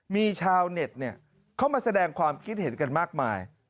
มีชาวเน็ตเข้ามาแสดงความคิดเห็นกันมากมาย